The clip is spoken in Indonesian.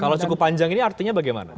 kalau cukup panjang ini artinya bagaimana